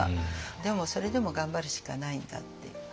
でもそれでも頑張るしかないんだっていう。